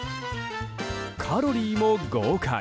カロリーも豪快。